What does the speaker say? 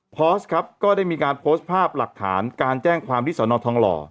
พอสครับก็ได้มีการโพสต์ภาพหลักฐานการแจ้งความที่สอนอทองหล่อ